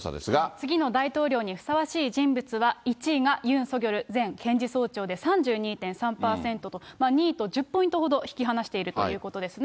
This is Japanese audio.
次の大統領にふさわしい人物は、１位がユン・ソギョル前検事総長で３２．３％と、２位と１０ポイントほど引き離しているということですね。